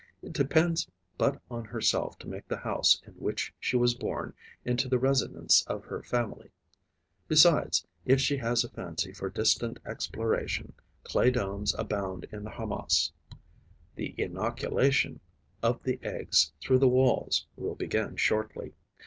It depends but on herself to make the house in which she was born into the residence of her family. Besides, if she has a fancy for distant exploration, clay domes abound in the harmas. The inoculation of the eggs through the walls will begin shortly.